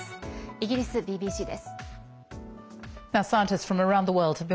イギリスＢＢＣです。